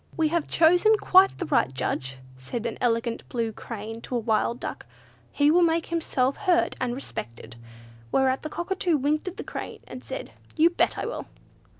"We have chosen quite the right Judge," said an elegant blue crane to a wild duck; "he will make himself heard and respected." Whereat the Cockatoo winked at the Crane, and said, "You bet I will!"